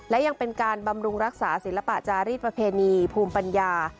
และยังเป็นการบำรุงรักษาศิลปะจารีสประเพณีภูมิปัญญา